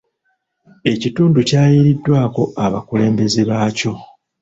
Ekitundu kyayiiriddwako abakulembeze baakyo.